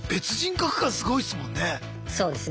そうですね